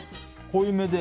濃いめで。